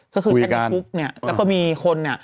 ก็คือแชทในกรุ๊ปเนี่ยแล้วก็มีคนอ่ะ